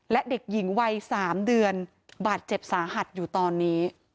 และเด็กหญิงวัย๓เดือนบาดเจ็บสาหัสอยู่ตอนนี้